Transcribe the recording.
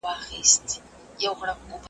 د دښمن پر زړه وهلی بیرغ غواړم .